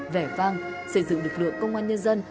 vẻ vang xây dựng lực lượng công an nhân dân